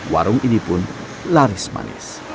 warung ini pun laris manis